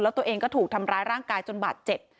แล้วตัวเองก็ถูกทำร้ายร่างกายจนบาดเจ็บ